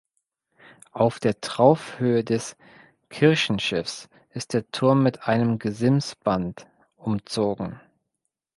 Auf der Traufhöhe des Kirchenschiffs ist der Turm mit einem Gesimsband umzogen.